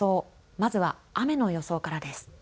まずは雨の予想からです。